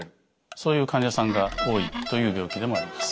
そういう患者さんが多いという病気でもあります。